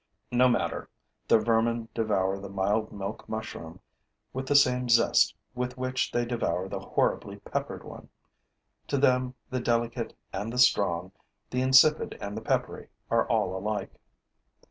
No matter: the vermin devour the mild milk mushroom with the same zest with which they devour the horribly peppered one. To them the delicate and the strong, the insipid and the peppery are all alike.